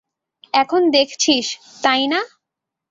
এখন দেখছিস, তাই না?